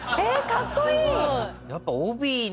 かっこいい！